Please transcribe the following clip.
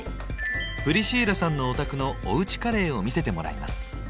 プリシーラさんのお宅のおうちカレーを見せてもらいます。